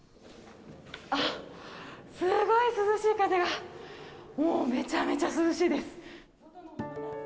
あっ、すごい涼しい風が、もうめちゃめちゃ涼しいです。